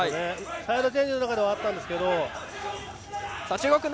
サイドチェンジではあったんですけど。